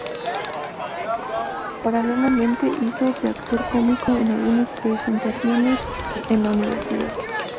Paralelamente, hizo de actor cómico en algunas presentaciones en la universidad.